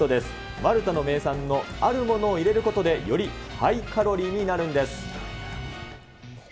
マルタの名産のあるものを入れることで、よりハイカロリーになるんです。